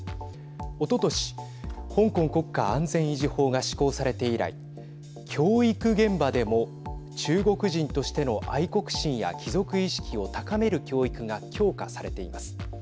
おととし、香港国家安全維持法が施行されて以来教育現場でも中国人としての愛国心や帰属意識を高める教育が強化されています。